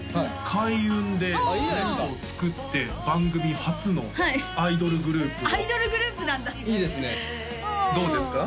開運でグループを作って番組初のアイドルグループをアイドルグループなんだいいですねどうですか？